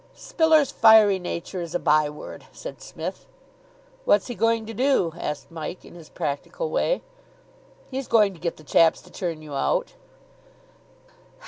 "Spiller's fiery nature is a byword," said Psmith. "What's he going to do?" asked Mike, in his practical way. "He's going to get the chaps to turn you out."